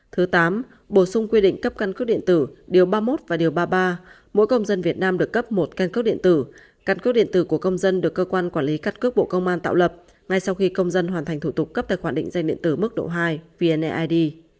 thứ tám bổ sung quy định cấp căn cước điện tử điều ba mươi một và điều ba mươi ba mỗi công dân việt nam được cấp một căn cước điện tử căn cước điện tử của công dân được cơ quan quản lý cắt cước bộ công an tạo lập ngay sau khi công dân hoàn thành thủ tục cấp tài khoản định danh điện tử mức độ hai vneid